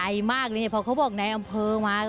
ใหญ่มากเลยเพราะเขาบอกในอำเภอมา